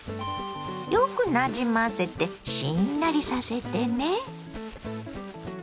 よくなじませてしんなりさせてね。